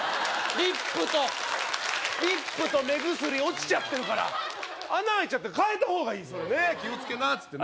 リップとリップと目薬落ちちゃってるから穴あいちゃってる替えた方がいいそれね気をつけなっつってね